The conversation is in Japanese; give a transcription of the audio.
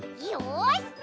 よし！